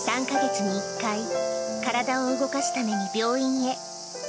３か月に１回、体を動かすために病院へ。